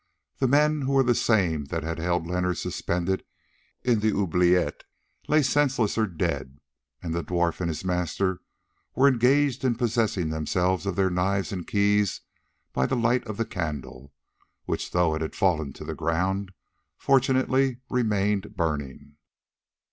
The men, who were the same that had held Leonard suspended in the oubliette, lay senseless or dead, and the dwarf and his master were engaged in possessing themselves of their knives and keys by the light of the candle, which, though it had fallen to the ground, fortunately remained burning.